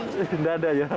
tidak ada ya